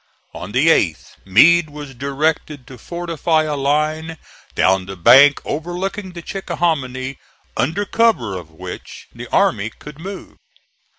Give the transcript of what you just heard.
On the 8th Meade was directed to fortify a line down the bank overlooking the Chickahominy, under cover of which the army could move.